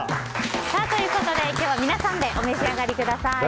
ということで今日は皆さんでお召し上がりください。